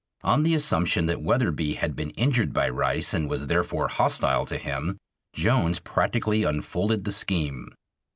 On the assumption that Wetherbee had been injured by Rice and was therefore hostile to him, Jones practically unfolded the scheme.